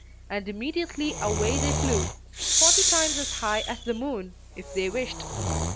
and immediately away they flew, "forty times as high as the moon," if they wished.